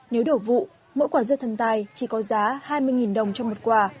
nếu đổ vụ mỗi quả dưa thần tài chỉ có giá hai mươi đồng cho một quả